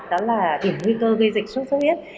đó là điểm nguy cơ gây dịch sốt xuất huyết